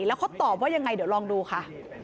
แล้วเขาตอบว่ายังไงเดี๋ยวลองดูค่ะ